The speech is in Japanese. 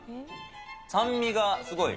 酸味がすごい。